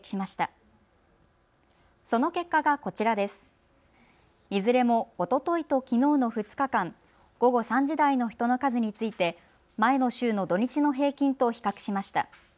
いずれもおとといときのうの２日間、午後３時台の人の数について前の週の土日の平均と比較しました。